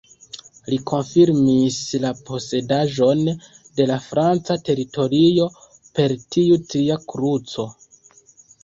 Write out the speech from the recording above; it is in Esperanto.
Li konfirmis la posedaĵon de la franca teritorio per tiu tria kruco.